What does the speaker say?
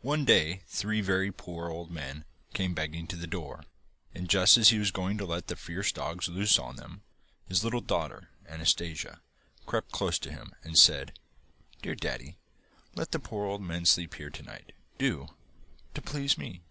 One day three very poor old men came begging to the door, and just as he was going to let the fierce dogs loose on them, his little daughter, Anastasia, crept close up to him and said: 'Dear daddy, let the poor old men sleep here to night, do to please me.